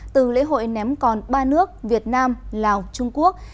từ lễ hội ném còn ba nước việt nam lào trung quốc